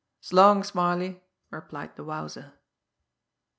"S'long, Smarly," replied the Wowzer.